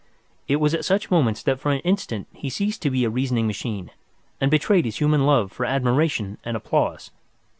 It was at such moments that for an instant he ceased to be a reasoning machine, and betrayed his human love for admiration and applause.